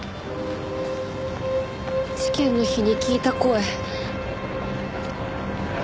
事件の日に聞いた声。